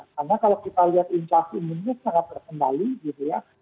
karena kalau kita lihat insaf umumnya sangat berkendali gitu ya